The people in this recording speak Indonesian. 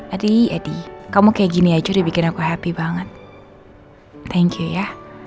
it it kamu kayak gini aja udah bikin aku happy banget thank you ya